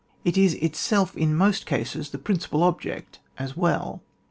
It is itself in most cases the prin eipal object as well.